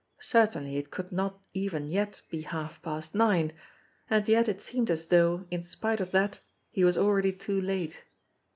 Certainly it could not even yet be half past nine. And yet it seemed as though, in spite of that, he was already too late.